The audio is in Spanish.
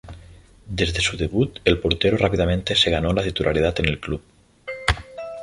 Desde su debut, el portero rápidamente se ganó la titularidad en el club.